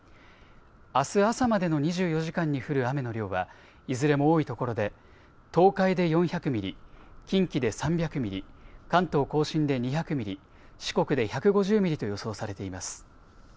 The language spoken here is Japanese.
あす朝までの２４時間に降る雨の量はいずれも多いところで東海で４００ミリ、近畿で３００ミリ、関東甲信で２００ミリ、四国で１５０ミリと予想されています。